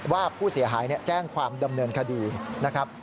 ว่าผู้เสียหายแจ้งความดำเนินคดีนะครับ